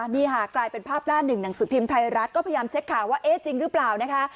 นี่ค่ะกลายเป็นภาพหน้าหนึ่งหนังสือพิมพ์ไทยรัฐก็พยายามเช็คข่าวว่าเอ๊ะจริงหรือเปล่านะคะ